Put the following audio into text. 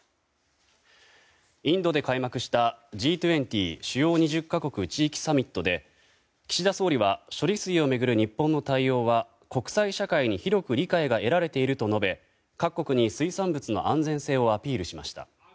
インドで開幕したＧ２０・主要２０か国地域サミットで岸田総理は処理水を巡る日本の対応は国際社会に広く理解が得られていると述べ各国の水産物の安全性をアピールしました。